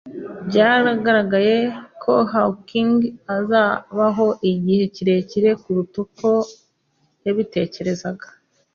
Byaragaragaye ko Hawking azabaho igihe kirekire kuruta uko yabitekerezaga.